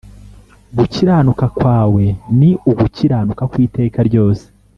Gukiranuka kwawe ni ugukiranuka kw’iteka ryose